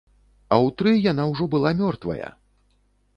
А ў тры яна ўжо была мёртвая!